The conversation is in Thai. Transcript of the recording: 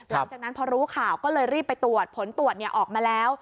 หลังจากนั้นพอรู้ข่าวก็เลยรีบไปตรวจผลตรวจออกมาแล้ว